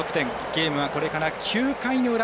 ゲームはこれから９回の裏。